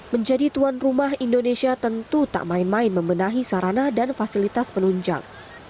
menjadi tuan rumah indonesia tentu tak main main membenahi sarana dan fasilitas penunjang